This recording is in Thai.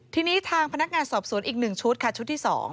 ทีนี้ทางพนักงานสอบสวนอีก๑ชุดค่ะชุดที่๒